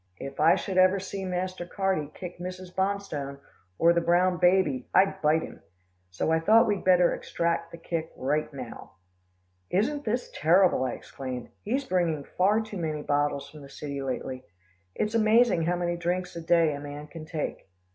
If I should ever see Master Carty kick Mrs. Bonstone, or the brown baby, I'd bite him. So I thought we'd better extract the kick right now." "Isn't this terrible," I exclaimed. "He's bringing far too many bottles from the city lately. It's amazing how many drinks a day a man can take."